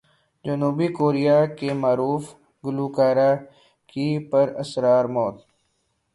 جنوبی کوریا کی معروف گلوکارہ کی پر اسرار موت